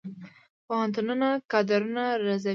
پوهنتونونه کادرونه روزي